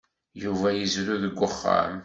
Yuba yezrew deg uxxam.